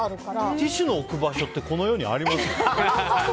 ティッシュの置く場所ってこの世にあります？